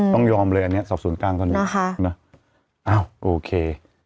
ต้องยอมเลยอันนี้สอบศูนย์กลางตอนนี้อ้าวโอเค